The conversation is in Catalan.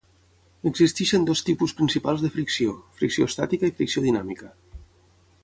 Existeixen dos tipus principals de fricció: fricció estàtica i fricció dinàmica.